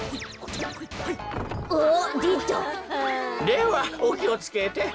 ではおきをつけて。